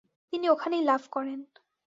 তিনি ওখানেই লাভ করেন।